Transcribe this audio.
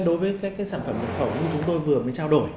đối với các sản phẩm nhập khẩu như chúng tôi vừa mới trao đổi